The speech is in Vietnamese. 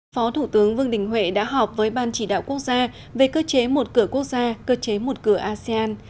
phó thủ tướng vương đình huệ đã họp với ban chỉ đạo quốc gia về cơ chế một cửa quốc gia cơ chế một cửa asean